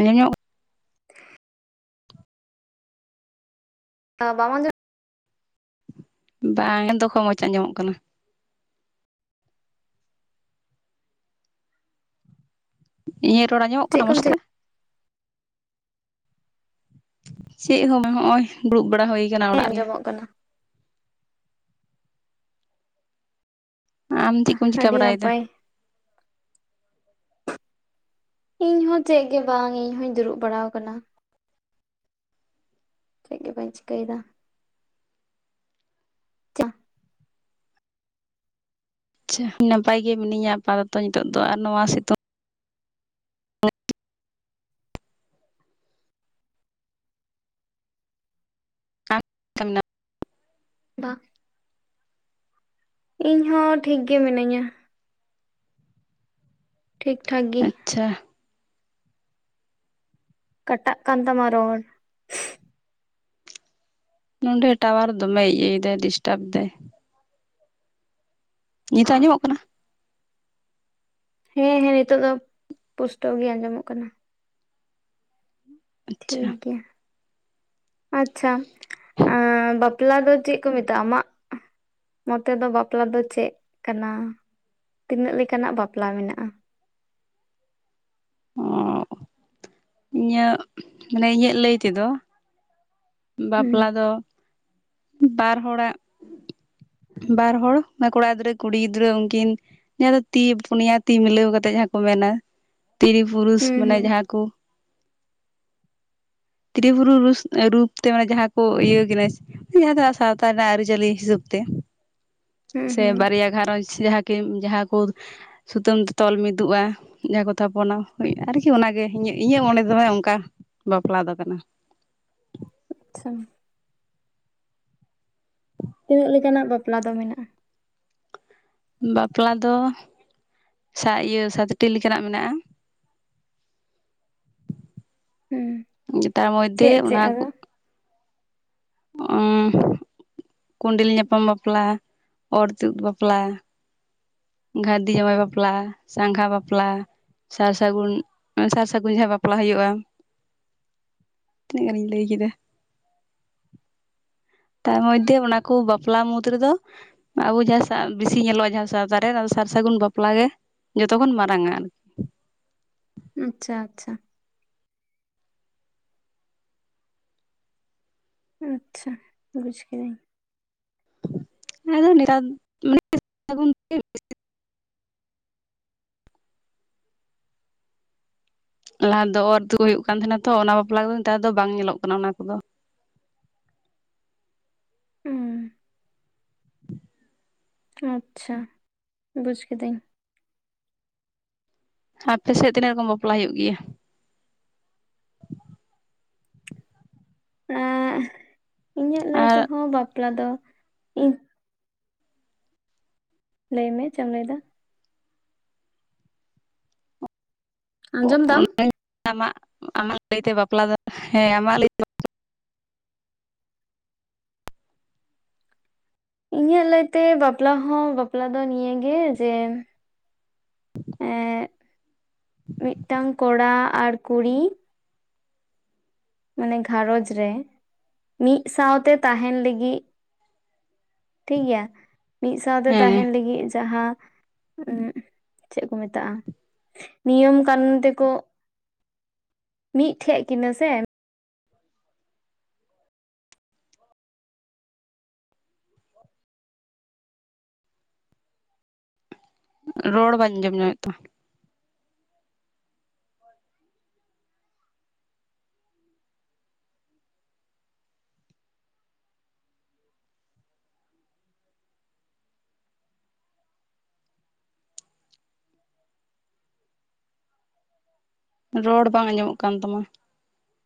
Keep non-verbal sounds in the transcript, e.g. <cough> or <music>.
ᱤᱧ ᱵᱟᱢ ᱟᱡᱚᱢ ᱫᱟ ᱵᱟᱝ ᱮᱫᱚ ᱠᱷ ᱢᱚᱡᱽ ᱟᱸᱡᱚᱢᱚᱜ ᱠᱟᱱᱟ ᱤᱧᱟᱹᱜ ᱨᱚᱲ ᱟᱡᱚᱢᱚᱜ ᱪᱮᱫ ᱠᱟᱱᱟ ᱠᱚᱢ ᱢᱚᱡᱽᱛᱮ ᱪᱤᱠᱟᱹ ᱪᱮᱫ ᱦᱚᱸ ᱵᱟᱝ ᱱᱚᱜᱼᱚᱭ ᱫᱩᱲᱩᱵ ᱵᱟᱲᱟ ᱦᱩᱭ ᱠᱟᱱᱟ ᱚᱲᱟᱜ ᱨᱮ ᱟᱸᱡᱚᱢᱚᱜ ᱠᱟᱱᱟ ᱟᱢ ᱪᱮᱫ ᱠᱚᱢ ᱪᱤᱠᱟᱹ ᱟᱹᱰᱤ ᱵᱟᱲᱟᱭᱮᱫᱟ ᱱᱟᱯᱟᱭ ᱤᱧ ᱦᱚᱸ ᱪᱮᱫ ᱜᱮ ᱵᱟᱝ ᱤᱧ ᱦᱚᱧ ᱫᱩᱲᱩᱵ ᱵᱟᱲᱟᱟᱣ ᱟᱠᱟᱱᱟ ᱪᱮᱫ ᱜᱮ ᱵᱟᱹᱧ ᱪᱤᱠᱟᱹᱭᱮᱫᱟ <unintelligible> ᱪ ᱟᱪᱪᱷᱟ ᱱᱟᱯᱟᱭ ᱜᱮ ᱢᱤᱱᱟᱹᱧᱟ ᱟᱯᱟᱛᱚᱛᱚ ᱱᱤᱛᱚᱜ ᱫᱚ ᱟᱨ ᱱᱚᱣᱟ ᱥᱤᱛᱩᱝ <unintelligible> ᱛ ᱵᱟᱝ ᱤᱧ ᱦᱚᱸ ᱴᱷᱤᱠᱜᱮ ᱢᱤᱱᱟᱹᱧᱟ ᱴᱷᱤᱠ ᱴᱷᱟᱠ ᱜᱮ ᱟᱪᱪᱷᱟ ᱠᱟᱴᱟᱜ ᱠᱟᱱ ᱛᱟᱢᱟ ᱨᱚᱲ ᱱᱚᱰᱮ ᱴᱟᱣᱟᱨ ᱫᱚᱢᱮ ᱤᱭᱟᱹᱭ ᱫᱟᱭ ᱰᱤᱥᱴᱟᱵᱽ ᱫᱟᱭ ᱱᱤᱛᱚᱜ ᱟᱸᱡᱚᱢᱚᱜ ᱠᱟᱱᱟ ᱦᱮᱸ ᱦᱮᱸ ᱱᱤᱛᱚᱜ ᱫᱚ ᱯᱩᱥᱴᱟᱹᱣ ᱜᱮ ᱟᱸᱡᱚᱢᱚᱜ ᱠᱟᱱᱟ ᱟᱪᱪᱷᱟ ᱴᱷᱤᱠ ᱜᱮᱭᱟ ᱟᱪᱪᱷᱟ ᱵᱟᱯᱞᱟ ᱫᱚ ᱪᱮᱫ ᱠᱚ ᱢᱮᱛᱟᱜᱼᱟ ᱟᱢᱟᱜ ᱢᱚᱛᱮ ᱫᱚ ᱵᱟᱯᱞᱟ ᱫᱚ ᱪᱮᱫ ᱠᱟᱱᱟ ᱛᱤᱱᱟᱹᱜ ᱞᱮᱠᱟᱱᱟᱜ ᱵᱟᱯᱞᱟ ᱢᱮᱱᱟᱜᱼᱟ ᱚ ᱤᱧᱟᱹᱜ ᱢᱟᱱᱮ ᱤᱧᱟᱹᱜ ᱞᱟᱹᱭ ᱛᱮᱫᱚ ᱦᱩᱸ ᱵᱟᱯᱞᱟ ᱫᱚ ᱵᱟᱨ ᱦᱚᱲᱟᱜ <inaudible> ᱵᱟᱨ ᱦᱚᱲ ᱠᱚᱲᱟ ᱜᱤᱫᱽᱨᱟᱹ ᱠᱩᱲᱤ ᱜᱤᱫᱽᱨᱟᱹ ᱩᱱᱝᱠᱤᱱ ᱡᱟᱦᱟᱸ ᱫᱚ ᱛᱤ ᱯᱩᱱᱭᱟ ᱛᱤ ᱢᱤᱞᱟᱹᱣ ᱠᱟᱛᱮᱜ ᱡᱟᱦᱟᱸ ᱠᱚ ᱢᱮᱱᱟ <inaudible> ᱛᱨᱤ ᱯᱩᱨᱩᱥ ᱦᱩᱸ ᱢᱟᱱᱮ ᱦᱩᱸ ᱡᱟᱦᱟᱸ ᱠᱚ ᱛᱨᱤᱯᱩᱨᱩᱥ ᱛᱮ ᱢᱟᱱᱮ ᱡᱟᱦᱟᱸ ᱠᱚ ᱤᱭᱟᱹ ᱠᱤᱱᱟᱹ ᱡᱟᱦᱟᱸ ᱫᱚ ᱥᱟᱶᱛᱟ ᱨᱮᱱᱟᱜ ᱟᱹᱨᱤᱪᱟᱹᱞᱤ ᱦᱤᱥᱟᱹᱵ ᱛᱮ ᱦᱩᱸ ᱥᱮ ᱦᱩᱸ ᱵᱟᱨᱭᱟ ᱜᱷᱟᱨᱚᱸᱡᱽ ᱡᱟᱦᱟᱸ ᱠᱤ ᱡᱟᱦᱟᱸ ᱠᱚ ᱥᱩᱛᱟᱹᱢ ᱛᱮ ᱛᱚᱞ ᱢᱤᱫᱚᱜᱼᱟ ᱡᱟᱦᱟᱸ ᱠᱚ ᱛᱷᱟᱯᱚᱱᱟ ᱟᱨᱠᱤ ᱚᱱᱟᱜᱮ ᱤᱧᱟᱹᱜ ᱚᱸᱰᱮ ᱫᱚᱦᱭ ᱚᱱᱠᱟ ᱵᱟᱯᱞᱟ ᱫᱚ ᱠᱟᱱᱟ ᱟᱪᱪᱷᱟ ᱛᱤᱱᱟᱹᱜ ᱞᱮᱠᱟᱱᱟᱜ ᱵᱟᱯᱞᱟ ᱫᱚ ᱢᱮᱱᱟᱜᱼᱟ ᱵᱟᱯᱞᱟ ᱫᱚ ᱤᱭᱟᱹ ᱥᱟᱛᱴᱤ ᱞᱮᱠᱟᱱᱟᱜ ᱢᱮᱱᱟᱜᱼᱟ ᱦᱩᱸ ᱛᱟᱨ ᱢᱚᱫᱽᱫᱷᱮ ᱪᱮᱫ ᱪᱮᱫ ᱚᱱᱟ ᱠᱚ ᱟᱫᱚ ᱚ ᱠᱚᱸᱰᱮᱞ ᱧᱟᱯᱟᱢ ᱵᱟᱯᱞᱟ ᱚᱨ ᱛᱩᱫ ᱵᱟᱯᱞᱟ ᱜᱷᱟᱹᱨᱫᱤ ᱡᱟᱶᱟᱭ ᱵᱟᱯᱞᱟ ᱥᱟᱸᱜᱷᱟ ᱵᱟᱯᱞᱟ ᱥᱟᱨ ᱥᱟᱹᱜᱩᱱ ᱥᱟᱨ ᱥᱟᱹᱜᱩᱱ ᱡᱟᱦᱟᱸ ᱵᱟᱯᱞᱟ ᱦᱩᱭᱩᱜᱼᱟ ᱛᱤᱱᱟᱹᱜ ᱜᱟᱱᱤᱧ ᱞᱟᱹᱭ ᱠᱮᱫᱟ ᱛᱟᱨ ᱢᱚᱫᱽᱫᱷᱮ ᱚᱱᱟᱠᱚ ᱵᱟᱯᱞᱟ ᱢᱩᱫ ᱨᱮᱫᱚ ᱟᱵᱚ ᱡᱟᱦᱟᱸ ᱵᱮᱥᱤ ᱧᱮᱞᱚᱜᱼᱟ ᱡᱟᱦᱟᱸ ᱥᱟᱶᱛᱟᱨᱮ ᱥᱟᱨ ᱥᱟᱹᱜᱩᱱ ᱵᱟᱯᱞᱟ ᱜᱮ ᱡᱚᱛᱚ ᱠᱷᱚᱱᱚᱱ ᱢᱟᱨᱟᱝᱟ ᱟᱨᱠᱤ ᱟᱪᱪᱷᱟ ᱟᱪᱪᱷᱟ ᱟᱪᱪᱷᱟ ᱵᱩᱡᱽ ᱠᱤᱫᱟᱹᱧ ᱟᱫᱚ ᱱᱮᱛᱟᱨ ᱫᱚ ᱞᱟᱦᱟ ᱫᱚ ᱚᱨ ᱛᱮ ᱦᱩᱭᱩᱜ ᱠᱟᱱ ᱛᱟᱦᱮᱱᱟ ᱛᱚ ᱚᱱᱟ ᱵᱟᱯᱞᱟ ᱠᱚᱫᱚ ᱱᱮᱛᱟᱨ ᱫᱚ ᱵᱟᱝ ᱧᱮᱞᱚᱜ ᱠᱟᱱᱟ ᱚᱱᱟ ᱠᱚᱫᱚ <inaudible> ᱦᱮᱸ ᱟᱪᱪᱷᱟ ᱵᱩᱡᱽ ᱠᱤᱫᱟᱹᱧ ᱟᱯᱮ ᱥᱮᱫ ᱛᱤᱱᱟᱹᱜ ᱨᱚᱠᱚᱢ ᱵᱟᱯᱞᱟᱜ ᱦᱩᱭᱩᱜ ᱜᱮᱭᱟ ᱮ ᱤᱧᱟᱹᱜ ᱞᱟᱹᱭ ᱟᱨ ᱛᱮᱦᱚᱸ ᱵᱟᱯᱞᱟ ᱫᱚ ᱤᱧ ᱞᱟᱹᱭᱢᱮ ᱪᱮᱫ ᱮᱢ ᱞᱟᱹᱭᱫᱟ ᱟᱸᱡᱚᱢ ᱫᱟᱢ ᱟᱢᱟᱜ ᱟᱢᱟᱜ ᱞᱟᱹᱭᱛᱮ ᱵᱟᱯᱞᱟ ᱫᱚ ᱦᱮᱸ ᱟᱢᱟᱜ ᱞᱟᱹᱭᱛᱮ ᱤᱧᱟᱹᱜ ᱞᱟᱹᱭᱛᱮ ᱵᱟᱯᱞᱟ ᱦᱚᱸ ᱵᱟᱯᱞᱟ ᱫᱚ ᱱᱤᱭᱟᱹᱜᱮ ᱡᱮ ᱮ ᱢᱤᱫᱴᱟᱝ ᱠᱚᱲᱟ ᱟᱨ ᱠᱩᱲᱤ ᱢᱟᱱᱮ ᱜᱷᱟᱨᱚᱡᱽ ᱨᱮ ᱢᱤᱫ ᱥᱟᱶᱛᱮ ᱛᱟᱦᱮᱱ ᱞᱟᱹᱜᱤᱫ ᱴᱷᱤᱠᱜᱮᱭᱟ ᱢᱤᱫ ᱥᱟᱶᱛᱮ ᱦᱮᱸ ᱛᱟᱦᱮᱱ ᱞᱟᱹᱜᱤᱫ ᱡᱟᱦᱟᱸ ᱩ ᱪᱮᱫ ᱠᱚ ᱢᱮᱛᱟᱜᱼᱟ ᱱᱤᱭᱚᱢ ᱠᱟᱱᱩᱱ ᱛᱮᱠᱚ ᱢᱤᱫᱴᱷᱮᱱ ᱠᱤᱱᱟᱹ ᱥᱮ ᱨᱚᱲ ᱵᱟᱝᱧ ᱟᱡᱚᱢ ᱧᱟᱜ ᱮᱫ ᱛᱟᱢᱟ ᱨᱚᱲ ᱵᱟᱝ ᱟᱸᱡᱚᱢᱚᱜ ᱠᱟᱱ ᱛᱟᱢᱟ